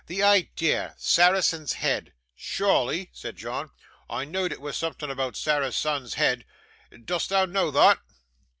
'The idea! Saracen's Head.' 'Sure ly,' said John, 'I know'd it was something aboot Sarah's Son's Head. Dost thou know thot?